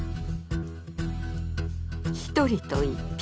一人と一匹。